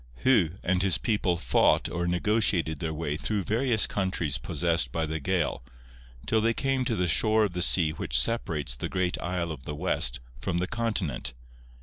Hu and his people fought or negotiated their way through various countries possessed by the Gael, till they came to the shore of the sea which separates the great isle of the west from the continent.